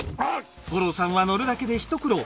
五郎さんは乗るだけで一苦労。